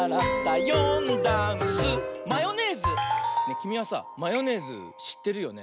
きみはさマヨネーズしってるよね？